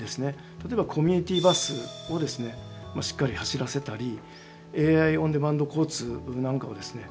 例えばコミュニティーバスをですねしっかり走らせたりＡＩオンデマンド交通なんかをですね